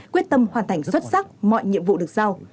quyết tâm hoàn thành xuất sắc mọi nhiệm vụ được giao